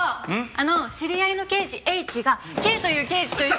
あの知り合いの刑事ＨがＫという刑事と一緒に。